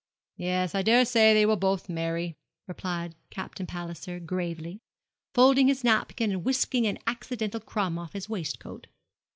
'Yes, I daresay they will both marry,' replied Captain Palliser, gravely, folding his napkin and whisking an accidental crumb off his waistcoat.